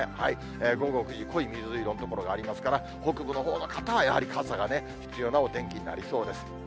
午後９時、濃い水色の所がありますから、北部のほうの方は、やはり傘が必要なお天気になりそうです。